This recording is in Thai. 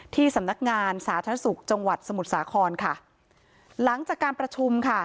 ที่สำนักงานสาธารณสุขจังหวัดสมุทรสาครค่ะหลังจากการประชุมค่ะ